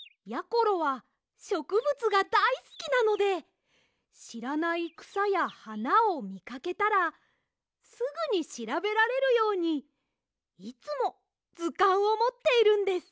ころはしょくぶつがだいすきなのでしらないくさやはなをみかけたらすぐにしらべられるようにいつもずかんをもっているんです。